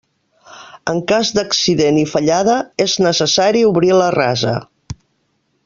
En cas d'accident i fallada, és necessari obrir la rasa.